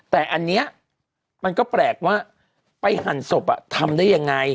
แต่อันนี้มันก็แปลกว่าไปหั่นศพทำได้ยังไง